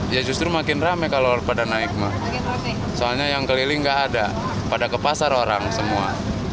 ya justru makin rame kalau pada naik soalnya yang keliling nggak ada pada ke pasar orang semua